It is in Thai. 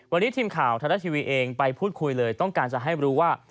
วันนี้ทีมข่าวไทยรัฐทีวีเองไปพูดคุยเลยต้องการจะให้รู้ว่า